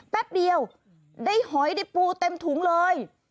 แป๊บเดียวได้หอยได้ปูเต็มถุงเลย